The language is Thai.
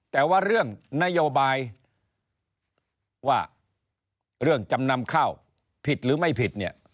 แต่ว่าเรื่องนโยบายว่าเรื่องจำนำข้าวผิดหรือไม่ผิดเนี่ย